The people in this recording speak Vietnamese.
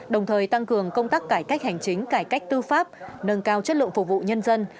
đồng thời tăng cường công tác cải cách hành chính cải cách tư pháp nâng cao chất lượng phục vụ nhân dân